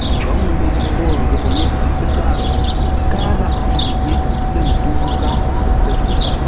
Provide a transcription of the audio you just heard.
Cǒ ŋuu lə ghwo ghəpə́ yé pə́tárə́, káa láʼ pə́i yé lə̂ ntə́u gháp səkwə̂r.